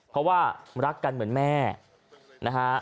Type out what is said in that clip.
เพราะว่ารักกันเหมือนแม่นะฮะ